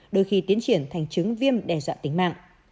đôi khi tiến triển thành chứng viêm đe dọa tính mạng